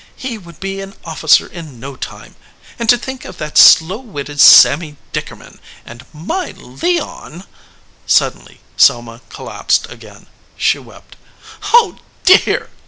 He would be an officer in no time. And to think of that slow witted Sammy Dickerman, and my Leon " Suddenly Selma collapsed again. She wept. "Oh dear!"